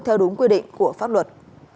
theo đúng quy định của pháp luật